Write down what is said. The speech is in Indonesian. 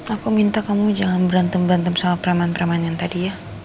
aku minta kamu jangan berantem berantem sama preman preman yang tadi ya